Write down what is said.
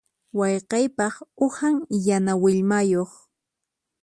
Wayqiypaq uhan yana willmayuq.